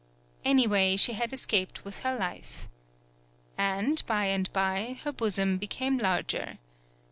Anyway she had .escaped with her life. And, by and by, her bosom became larger.